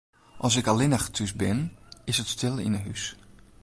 As ik allinnich thús bin, is it stil yn 'e hús.